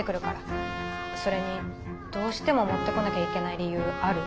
それにどうしても持ってこなきゃいけない理由ある？